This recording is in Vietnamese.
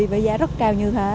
với giá rất cao như thế